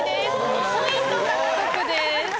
２ポイント獲得です。